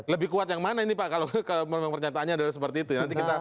lebih kuat yang mana ini pak kalau pernyataannya adalah seperti itu ya